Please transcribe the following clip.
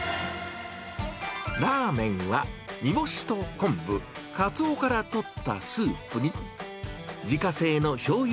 ラーメンは煮干しと昆布、カツオからとったスープに、自家製のしょうゆ